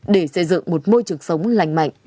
để xây dựng một môi trường sống lành mạnh